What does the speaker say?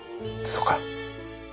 そうか。